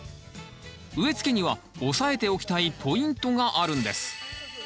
植えつけには押さえておきたいポイントがあるんです。